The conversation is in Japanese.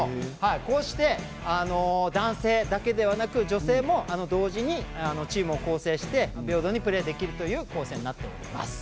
こうして、男性だけではなく女性も同時にチームを構成して平等にプレーできるという構成になっております。